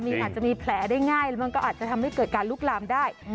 อาจจะมีแผลได้ง่ายแล้วมันก็อาจจะทำให้เกิดการลุกลามได้